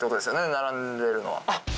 並んでるのは。